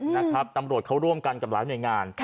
นะครับตำรวจเขาร่วมกันกับหลายหน่วยงาน